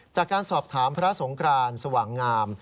จากการสอบถามพระสงครานสว่างงาม